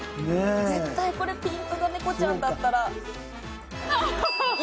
絶対これピントがネコちゃんだったら。